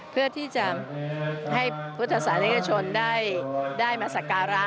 เพื่อที่จะให้พุทธศาสนิกชนได้มาสักการะ